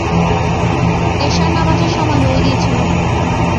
এশার নামাজের সময় হয়ে গিয়েছিল।